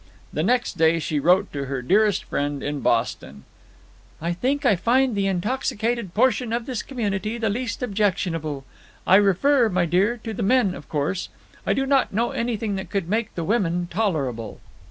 The next day she wrote to her dearest friend, in Boston: "I think I find the intoxicated portion of this community the least objectionable. I refer, my dear, to the men, of course. I do not know anything that could make the women tolerable."